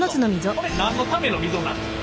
これ何のための溝なんですか？